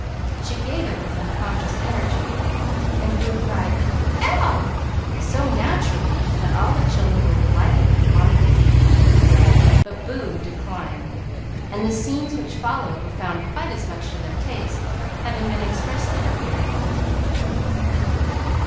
She gave it with unconscious energy, and Boo cried "Ow!" so naturally that all the children were delighted and wanted it repeated. But Boo declined, and the scenes which followed were found quite as much to their taste, having been expressly prepared for the little people.